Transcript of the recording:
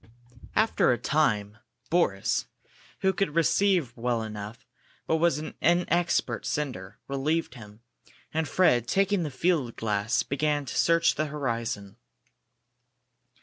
After a time Boris, who could receive well enough but was an inexpert sender, relieved him, and Fred, taking the field glass, began to search the horizon.